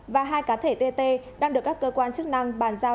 và hai cá thể tt đang được các cơ quan chức năng bàn giao